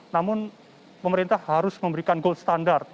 namun pemerintah harus memberikan gold standard